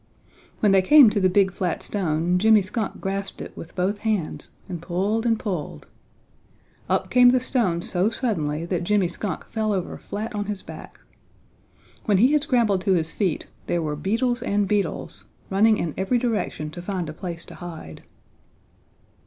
When they came to the big flat stone Jimmy Skunk grasped it with both hands and pulled and pulled. Up came the stone so suddenly that Jimmy Skunk fell over flat on his back. When he had scrambled to his feet there were beetles and beetles, running in every direction to find a place to hide.